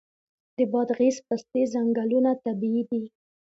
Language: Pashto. د بادغیس پستې ځنګلونه طبیعي دي؟